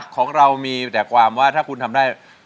ของเรามีแต่ความว่าถ้าคุณทำได้